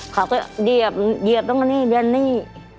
เขาก็เหยียบตรงนี้นี่